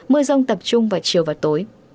mưa rông tập trung vào chiều và tối